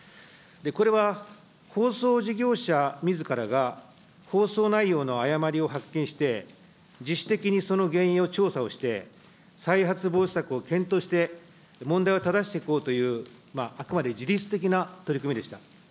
これは放送事業者みずからが、放送内容の誤りを発見して、自主的にその原因を調査をして、再発防止策を検討して、問題を正していこうという、あくまで自律的な取り組みでした。